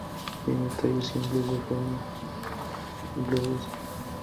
Tiene tallos simples de forma globosa.